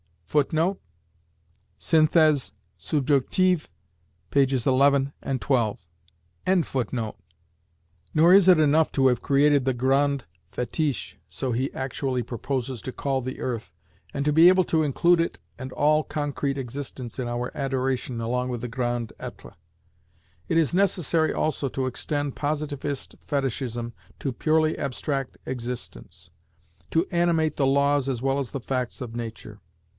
" Nor is it enough to have created the Grand Fétiche (so he actually proposes to call the Earth), and to be able to include it and all concrete existence in our adoration along with the Grand Etre. It is necessary also to extend Positivist Fetishism to purely abstract existence; to "animate" the laws as well as the facts of nature.